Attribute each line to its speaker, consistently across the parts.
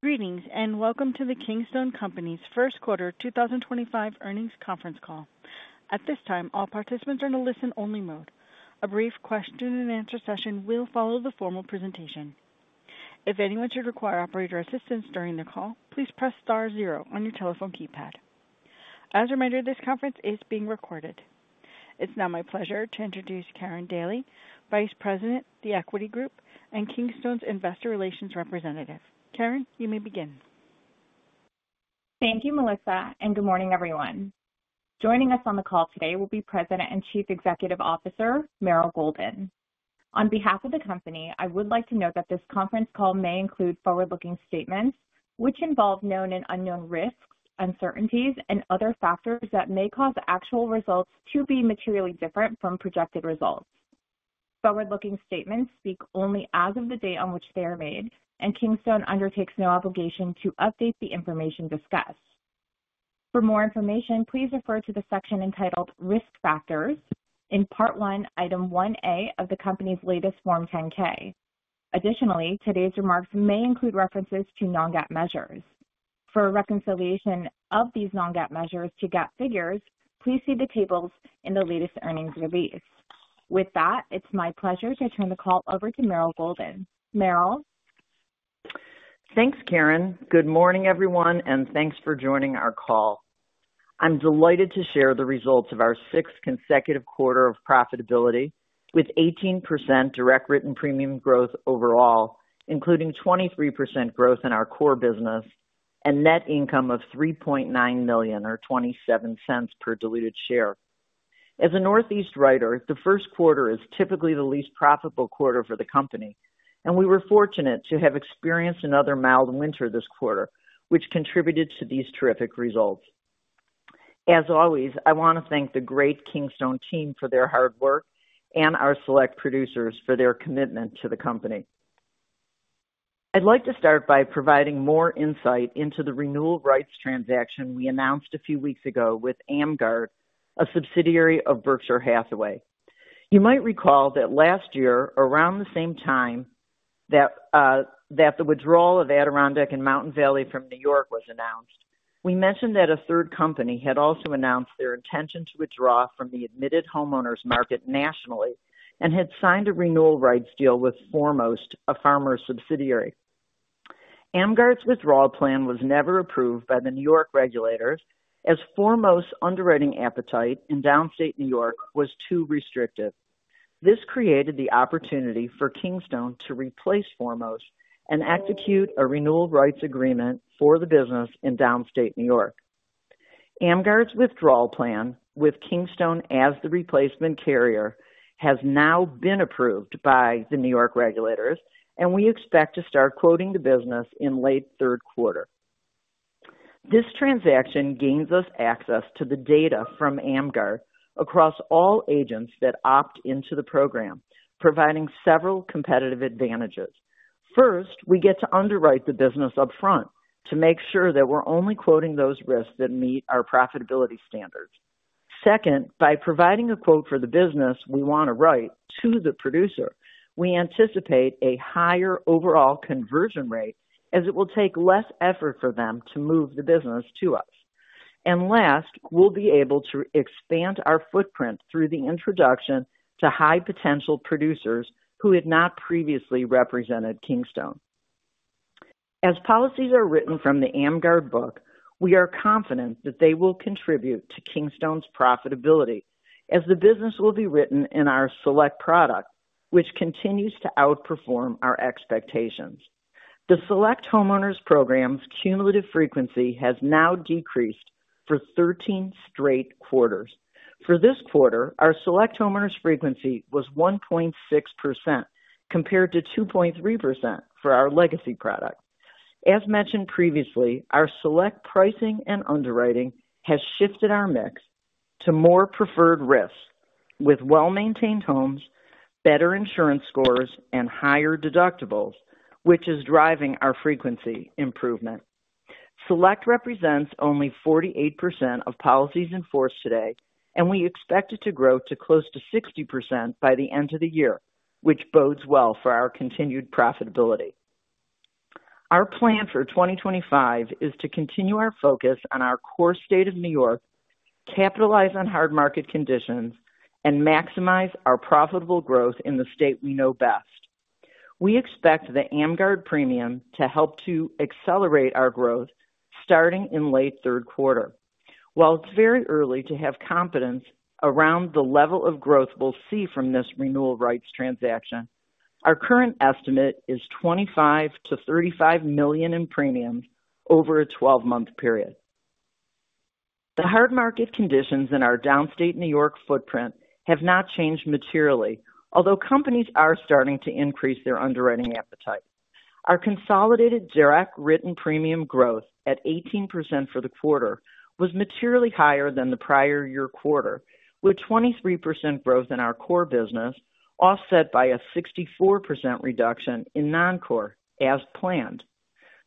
Speaker 1: Greetings and welcome to the Kingstone Companies First Quarter 2025 Earnings Conference Call. At this time, all participants are in a listen-only mode. A brief question-and-answer session will follow the formal presentation. If anyone should require operator assistance during the call, please press star zero on your telephone keypad. As a reminder, this conference is being recorded. It is now my pleasure to introduce Karin Daly, Vice President, the Equity Group, and Kingstone's Investor Relations Representative. Karin, you may begin.
Speaker 2: Thank you, Melissa, and good morning, everyone. Joining us on the call today will be President and Chief Executive Officer, Meryl Golden. On behalf of the company, I would like to note that this conference call may include forward-looking statements which involve known and unknown risks, uncertainties, and other factors that may cause actual results to be materially different from projected results. Forward-looking statements speak only as of the day on which they are made, and Kingstone undertakes no obligation to update the information discussed. For more information, please refer to the section entitled Risk Factors in Part 1, Item 1A of the company's latest Form 10-K. Additionally, today's remarks may include references to non-GAAP measures. For reconciliation of these non-GAAP measures to GAAP figures, please see the tables in the latest earnings release. With that, it's my pleasure to turn the call over to Meryl Golden. Meryl.
Speaker 3: Thanks, Karin. Good morning, everyone, and thanks for joining our call. I'm delighted to share the results of our sixth consecutive quarter of profitability with 18% direct written premium growth overall, including 23% growth in our core business and net income of $3.9 million or $0.27 per diluted share. As a Northeast writer, the first quarter is typically the least profitable quarter for the company, and we were fortunate to have experienced another mild winter this quarter, which contributed to these terrific results. As always, I want to thank the great Kingstone team for their hard work and our select producers for their commitment to the company. I'd like to start by providing more insight into the renewal rights transaction we announced a few weeks ago with Amgard, a subsidiary of Berkshire Hathaway. You might recall that last year, around the same time that the withdrawal of Adirondack and Mountain Valley from New York was announced, we mentioned that a third company had also announced their intention to withdraw from the admitted homeowners market nationally and had signed a renewal rights deal with Foremost, a Farmers subsidiary. Amgard's withdrawal plan was never approved by the New York regulators, as Foremost's underwriting appetite in Downstate New York was too restrictive. This created the opportunity for Kingstone to replace Foremost and execute a renewal rights agreement for the business in Downstate New York. Amgard's withdrawal plan with Kingstone as the replacement carrier has now been approved by the New York regulators, and we expect to start quoting the business in late third quarter. This transaction gains us access to the data from Amgard across all agents that opt into the program, providing several competitive advantages. First, we get to underwrite the business upfront to make sure that we're only quoting those risks that meet our profitability standards. Second, by providing a quote for the business we want to write to the producer, we anticipate a higher overall conversion rate as it will take less effort for them to move the business to us. Last, we'll be able to expand our footprint through the introduction to high-potential producers who had not previously represented Kingstone. As policies are written from the Amgard book, we are confident that they will contribute to Kingstone's profitability as the business will be written in our select product, which continues to outperform our expectations. The select homeowners program's cumulative frequency has now decreased for 13 straight quarters. For this quarter, our select homeowners frequency was 1.6% compared to 2.3% for our legacy product. As mentioned previously, our select pricing and underwriting has shifted our mix to more preferred risks with well-maintained homes, better insurance scores, and higher deductibles, which is driving our frequency improvement. Select represents only 48% of policies in force today, and we expect it to grow to close to 60% by the end of the year, which bodes well for our continued profitability. Our plan for 2025 is to continue our focus on our core state of New York, capitalize on hard market conditions, and maximize our profitable growth in the state we know best. We expect the Amgard premium to help to accelerate our growth starting in late third quarter. While it's very early to have confidence around the level of growth we'll see from this renewal rights transaction, our current estimate is $25-$35 million in premium over a 12-month period. The hard market conditions in our Downstate New York footprint have not changed materially, although companies are starting to increase their underwriting appetite. Our consolidated direct written premium growth at 18% for the quarter was materially higher than the prior year quarter, with 23% growth in our core business offset by a 64% reduction in non-core as planned.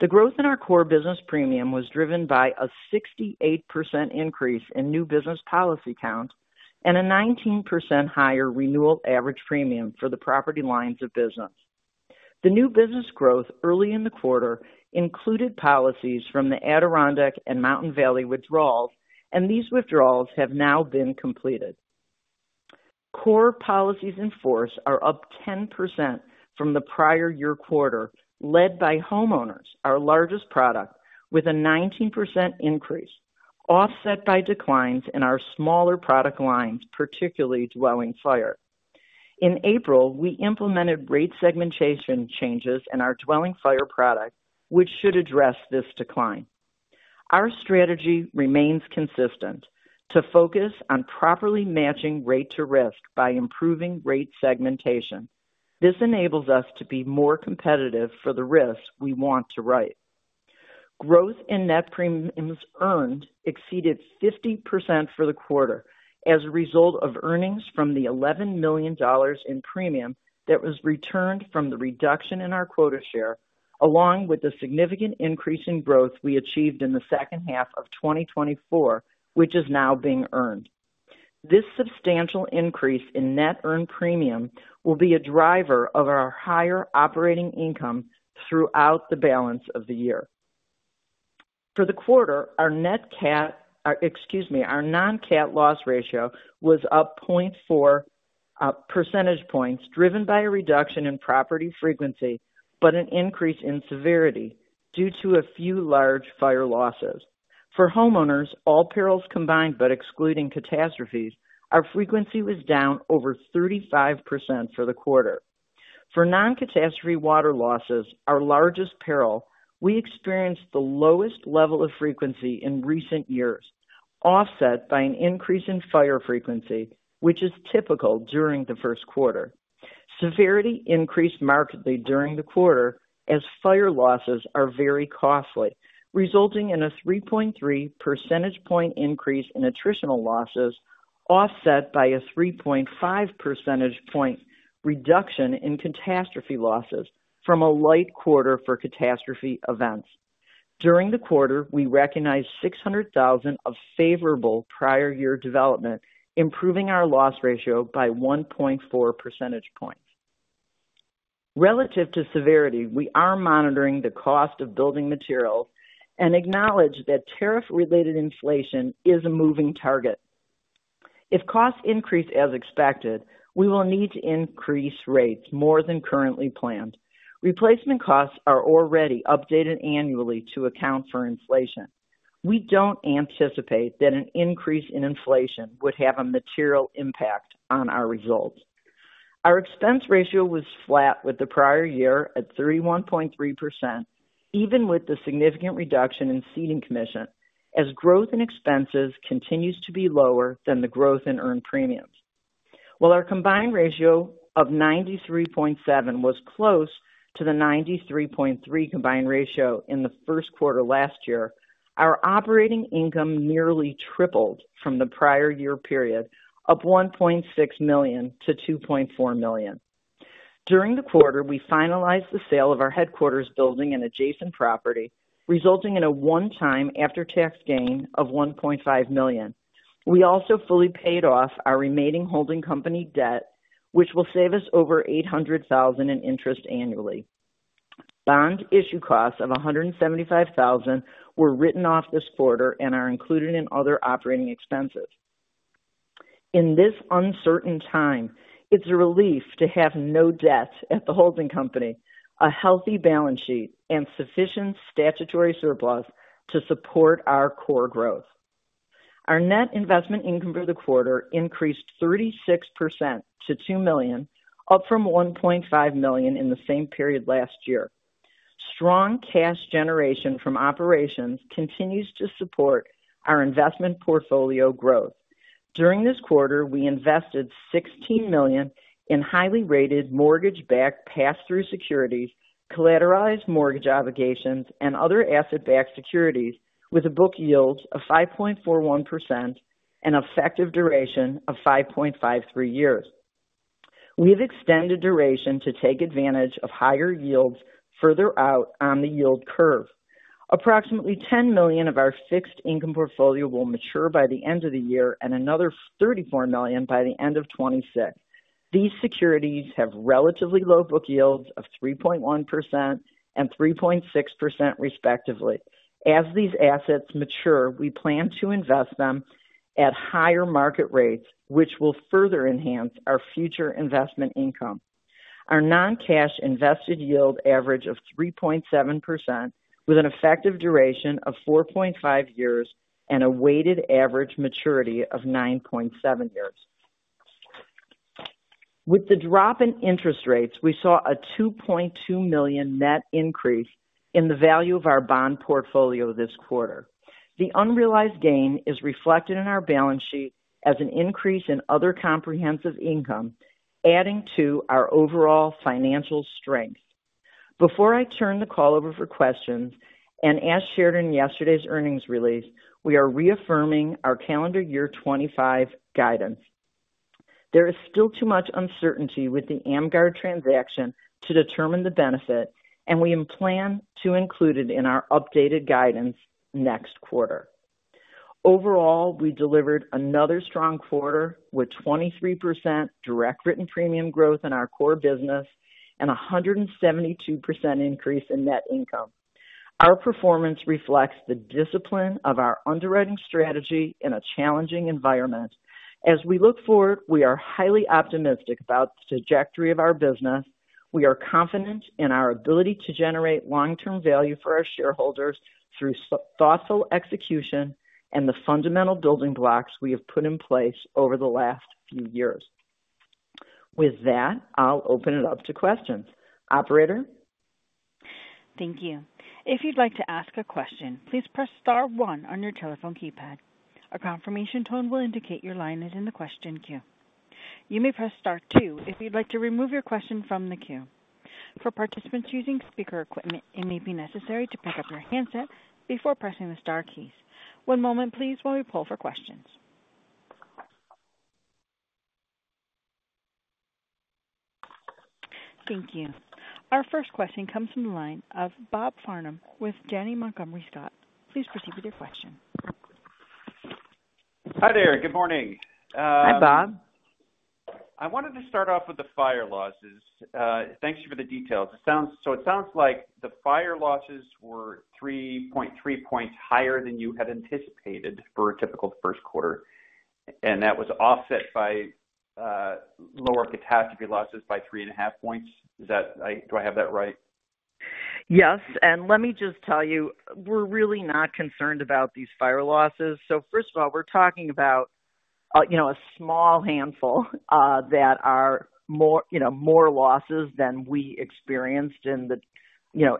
Speaker 3: The growth in our core business premium was driven by a 68% increase in new business policy count and a 19% higher renewal average premium for the property lines of business. The new business growth early in the quarter included policies from the Adirondack and Mountain Valley withdrawals, and these withdrawals have now been completed. Core policies in force are up 10% from the prior year quarter, led by homeowners, our largest product, with a 19% increase offset by declines in our smaller product lines, particularly dwelling fire. In April, we implemented rate segmentation changes in our dwelling fire product, which should address this decline. Our strategy remains consistent to focus on properly matching rate to risk by improving rate segmentation. This enables us to be more competitive for the risks we want to write. Growth in net premiums earned exceeded 50% for the quarter as a result of earnings from the $11 million in premium that was returned from the reduction in our quota share, along with the significant increase in growth we achieved in the second half of 2024, which is now being earned. This substantial increase in net earned premium will be a driver of our higher operating income throughout the balance of the year. For the quarter, our net CAT—excuse me—our non-CAT loss ratio was up 0.4 percentage points, driven by a reduction in property frequency but an increase in severity due to a few large fire losses. For homeowners, all perils combined but excluding catastrophes, our frequency was down over 35% for the quarter. For non-catastrophe water losses, our largest peril, we experienced the lowest level of frequency in recent years, offset by an increase in fire frequency, which is typical during the first quarter. Severity increased markedly during the quarter as fire losses are very costly, resulting in a 3.3 percentage point increase in attritional losses, offset by a 3.5 percentage point reduction in catastrophe losses from a light quarter for catastrophe events. During the quarter, we recognized $600,000 of favorable prior year development, improving our loss ratio by 1.4 percentage points. Relative to severity, we are monitoring the cost of building materials and acknowledge that tariff-related inflation is a moving target. If costs increase as expected, we will need to increase rates more than currently planned. Replacement costs are already updated annually to account for inflation. We do not anticipate that an increase in inflation would have a material impact on our results. Our expense ratio was flat with the prior year at 31.3%, even with the significant reduction in ceding commission as growth in expenses continues to be lower than the growth in earned premiums. While our combined ratio of 93.7% was close to the 93.3% combined ratio in the first quarter last year, our operating income nearly tripled from the prior year period, up $1.6 million to $2.4 million. During the quarter, we finalized the sale of our headquarters building and adjacent property, resulting in a one-time after-tax gain of $1.5 million. We also fully paid off our remaining holding company debt, which will save us over $800,000 in interest annually. Bond issue costs of $175,000 were written off this quarter and are included in other operating expenses. In this uncertain time, it's a relief to have no debt at the holding company, a healthy balance sheet, and sufficient statutory surplus to support our core growth. Our net investment income for the quarter increased 36% to $2 million, up from $1.5 million in the same period last year. Strong cash generation from operations continues to support our investment portfolio growth. During this quarter, we invested $16 million in highly rated mortgage-backed pass-through securities, collateralized mortgage obligations, and other asset-backed securities with a book yield of 5.41% and effective duration of 5.53 years. We have extended duration to take advantage of higher yields further out on the yield curve. Approximately $10 million of our fixed income portfolio will mature by the end of the year and another $34 million by the end of 2026. These securities have relatively low book yields of 3.1% and 3.6%, respectively. As these assets mature, we plan to invest them at higher market rates, which will further enhance our future investment income. Our non-cash invested yield average of 3.7% with an effective duration of 4.5 years and a weighted average maturity of 9.7 years. With the drop in interest rates, we saw a $2.2 million net increase in the value of our bond portfolio this quarter. The unrealized gain is reflected in our balance sheet as an increase in other comprehensive income, adding to our overall financial strength. Before I turn the call over for questions and as shared in yesterday's earnings release, we are reaffirming our calendar year 2025 guidance. There is still too much uncertainty with the Amgard transaction to determine the benefit, and we plan to include it in our updated guidance next quarter. Overall, we delivered another strong quarter with 23% direct written premium growth in our core business and a 172% increase in net income. Our performance reflects the discipline of our underwriting strategy in a challenging environment. As we look forward, we are highly optimistic about the trajectory of our business. We are confident in our ability to generate long-term value for our shareholders through thoughtful execution and the fundamental building blocks we have put in place over the last few years. With that, I'll open it up to questions. Operator.
Speaker 1: Thank you. If you'd like to ask a question, please press Star one on your telephone keypad. A confirmation tone will indicate your line is in the question queue. You may press Star two if you'd like to remove your question from the queue. For participants using speaker equipment, it may be necessary to pick up your handset before pressing the Star keys. One moment, please, while we pull for questions. Thank you. Our first question comes from the line of Bob Farnham with Janney Montgomery Scott. Please proceed with your question.
Speaker 4: Hi there. Good morning.
Speaker 3: Hi, Bob.
Speaker 4: I wanted to start off with the fire losses. Thanks for the details. It sounds like the fire losses were 3.3 points higher than you had anticipated for a typical first quarter, and that was offset by lower catastrophe losses by 3.5 points. Do I have that right?
Speaker 3: Yes. Let me just tell you, we're really not concerned about these fire losses. First of all, we're talking about a small handful that are more losses than we experienced in the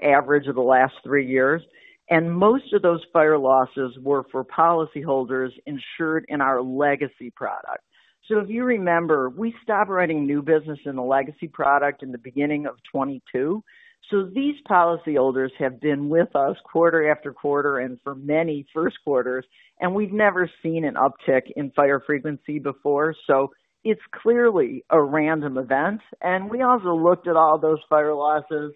Speaker 3: average of the last three years. Most of those fire losses were for policyholders insured in our legacy product. If you remember, we stopped writing new business in the legacy product in the beginning of 2022. These policyholders have been with us quarter after quarter and for many first quarters, and we've never seen an uptick in fire frequency before. It is clearly a random event. We also looked at all those fire losses,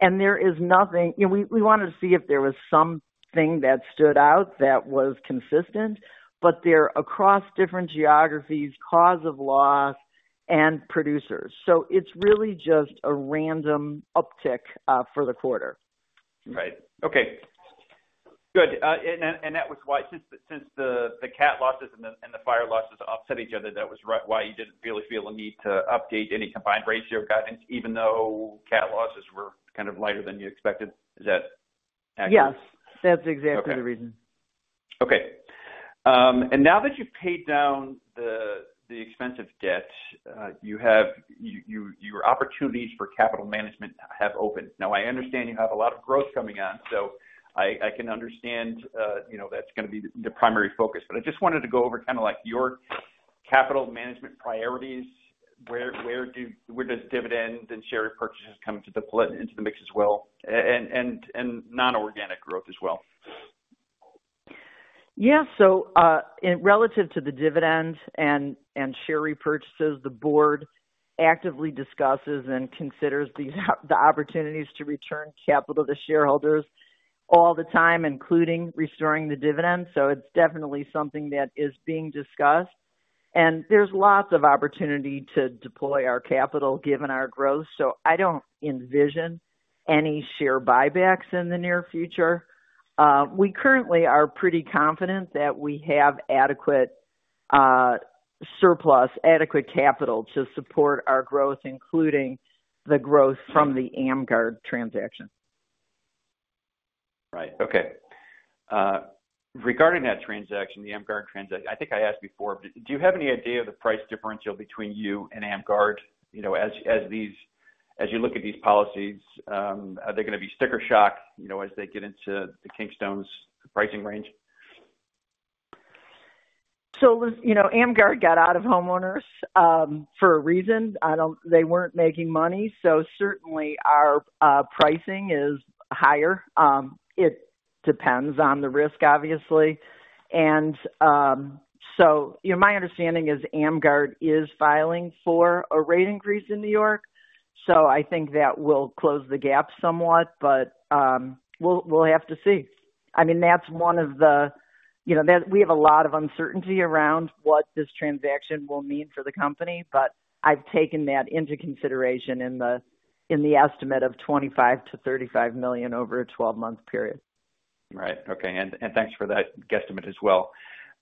Speaker 3: and there is nothing. We wanted to see if there was something that stood out that was consistent, but they are across different geographies, cause of loss, and producers. It is really just a random uptick for the quarter.
Speaker 4: Right. Okay. Good. That was why, since the CAT losses and the fire losses offset each other, that was why you did not really feel the need to update any combined ratio guidance, even though CAT losses were kind of lighter than you expected. Is that accurate?
Speaker 3: Yes. That is exactly the reason.
Speaker 4: Okay. Now that you have paid down the expense of debt, your opportunities for capital management have opened. I understand you have a lot of growth coming on, so I can understand that is going to be the primary focus. I just wanted to go over kind of your capital management priorities. Where does dividend and share repurchases come into the mix as well? And non-organic growth as well.
Speaker 3: Yeah. Relative to the dividend and share repurchases, the board actively discusses and considers the opportunities to return capital to shareholders all the time, including restoring the dividends. It is definitely something that is being discussed. There is lots of opportunity to deploy our capital given our growth. I do not envision any share buybacks in the near future. We currently are pretty confident that we have adequate surplus, adequate capital to support our growth, including the growth from the Amgard transaction.
Speaker 4: Right. Okay. Regarding that transaction, the Amgard transaction, I think I asked before, but do you have any idea of the price differential between you and Amgard as you look at these policies? Are they going to be sticker shock as they get into the Kingstone's pricing range?
Speaker 3: Amgard got out of homeowners for a reason. They were not making money. Certainly, our pricing is higher. It depends on the risk, obviously. My understanding is Amgard is filing for a rate increase in New York. I think that will close the gap somewhat, but we will have to see. I mean, that is one of the—we have a lot of uncertainty around what this transaction will mean for the company, but I have taken that into consideration in the estimate of $25-$35 million over a 12-month period.
Speaker 4: Right. Okay. Thanks for that guesstimate as well.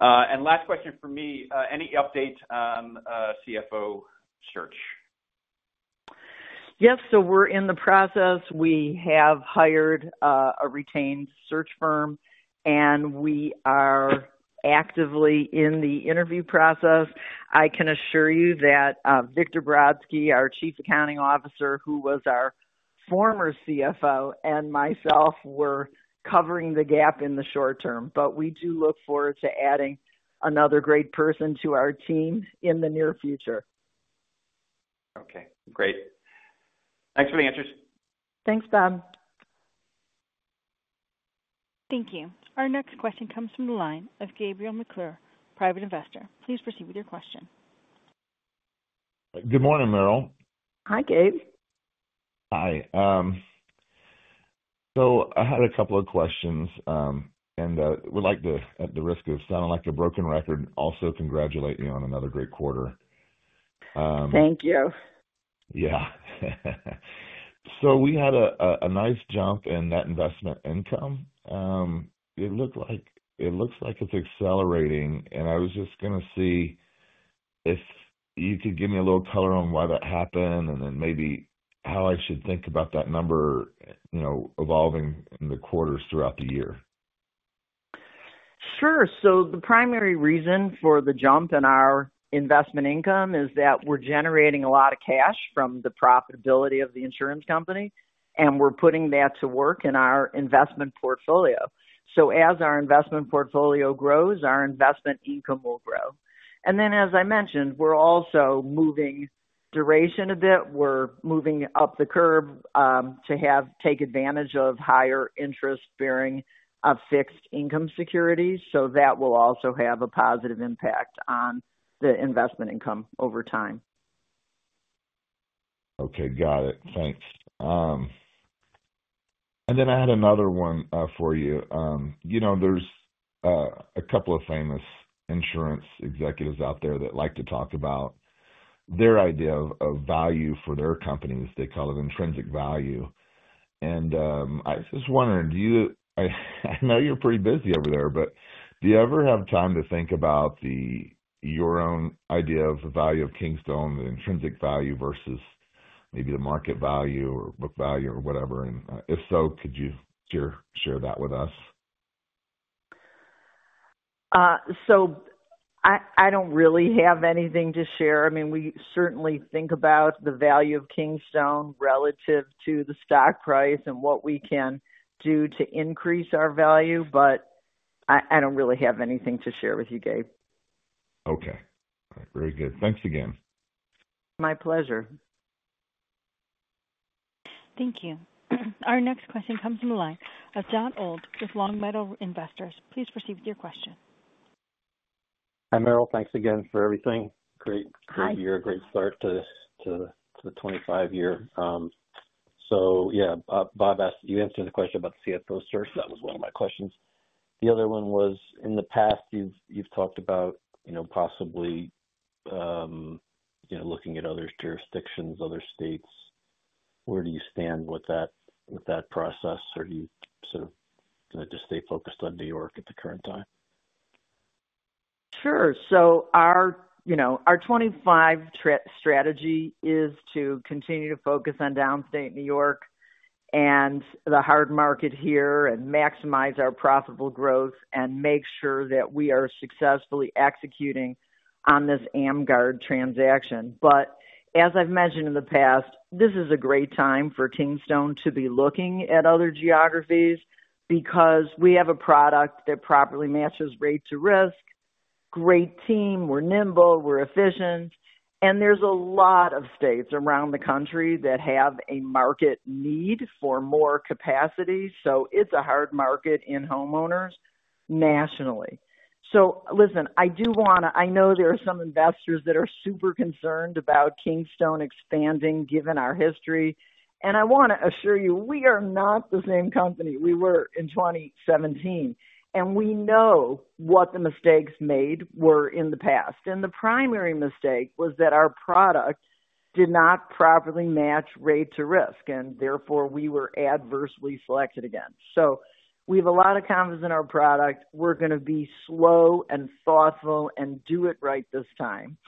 Speaker 4: Last question for me, any update on CFO search?
Speaker 3: Yes. We are in the process. We have hired a retained search firm, and we are actively in the interview process. I can assure you that Victor Brodsky, our Chief Accounting Officer, who was our former CFO, and myself were covering the gap in the short term. We do look forward to adding another great person to our team in the near future.
Speaker 4: Okay. Great. Thanks for the answers.
Speaker 1: Thanks, Bob. Thank you. Our next question comes from the line of Gabriel McClure, private investor. Please proceed with your question.
Speaker 5: Good morning, Meryl.
Speaker 3: Hi, Gabe.
Speaker 5: Hi. I had a couple of questions, and I would like to, at the risk of sounding like a broken record, also congratulate you on another great quarter.
Speaker 3: Thank you. Yeah.
Speaker 5: We had a nice jump in net investment income. It looks like it's accelerating, and I was just going to see if you could give me a little color on why that happened and then maybe how I should think about that number evolving in the quarters throughout the year.
Speaker 3: Sure. The primary reason for the jump in our investment income is that we're generating a lot of cash from the profitability of the insurance company, and we're putting that to work in our investment portfolio. As our investment portfolio grows, our investment income will grow. As I mentioned, we're also moving duration a bit. We're moving up the curve to take advantage of higher interest-bearing fixed income securities. That will also have a positive impact on the investment income over time.
Speaker 5: Okay. Got it. Thanks. I had another one for you. There's a couple of famous insurance executives out there that like to talk about their idea of value for their companies. They call it intrinsic value. I was just wondering, I know you're pretty busy over there, but do you ever have time to think about your own idea of the value of Kingstone, the intrinsic value versus maybe the market value or book value or whatever? If so, could you share that with us?
Speaker 3: I don't really have anything to share. I mean, we certainly think about the value of Kingstone relative to the stock price and what we can do to increase our value, but I don't really have anything to share with you, Gabe.
Speaker 5: Okay. All right. Very good. Thanks again.
Speaker 3: My pleasure.
Speaker 1: Thank you. Our next question comes from the line of Jon Old with Longmeadow Investors. Please proceed with your question.
Speaker 6: Hi, Meryl. Thanks again for everything.
Speaker 7: Hi.
Speaker 6: Great year, great start to the 2025 year. Yeah, Bob asked, and you answered the question about the CFO search. That was one of my questions. The other one was, in the past, you've talked about possibly looking at other jurisdictions, other states. Where do you stand with that process, or do you sort of just stay focused on New York at the current time?
Speaker 3: Sure. Our 2025 strategy is to continue to focus on downstate New York and the hard market here and maximize our profitable growth and make sure that we are successfully executing on this Amgard transaction. As I've mentioned in the past, this is a great time for Kingstone to be looking at other geographies because we have a product that properly matches rate to risk. Great team. We're nimble. We're efficient. There are a lot of states around the country that have a market need for more capacity. It is a hard market in homeowners nationally. Listen, I do want to—I know there are some investors that are super concerned about Kingstone expanding given our history. I want to assure you, we are not the same company we were in 2017. We know what the mistakes made were in the past. The primary mistake was that our product did not properly match rate to risk, and therefore, we were adversely selected again. We have a lot of confidence in our product. We are going to be slow and thoughtful and do it right this time.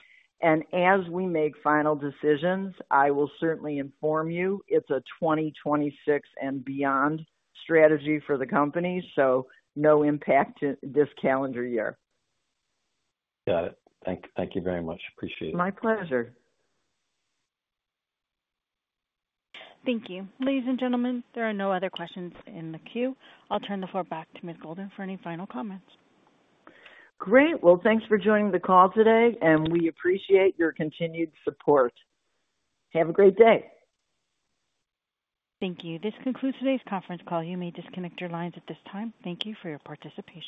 Speaker 3: As we make final decisions, I will certainly inform you. It is a 2026 and beyond strategy for the company, so no impact this calendar year.
Speaker 6: Got it. Thank you very much. Appreciate it.
Speaker 3: My pleasure.
Speaker 1: Thank you. Ladies and gentlemen, there are no other questions in the queue. I'll turn the floor back to Ms. Golden for any final comments.
Speaker 3: Great. Thanks for joining the call today, and we appreciate your continued support. Have a great day.
Speaker 1: Thank you. This concludes today's conference call. You may disconnect your lines at this time. Thank you for your participation.